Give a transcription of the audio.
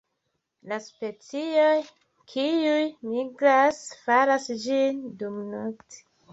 La specioj kiuj migras faras ĝin dumnokte.